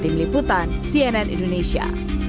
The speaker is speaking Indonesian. meliputan cnn indonesia